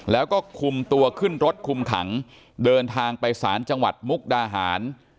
แล้วก็คุมตัวขึ้นรถคุมขังเดินทางไปสารจังหวัดมุกดาหาร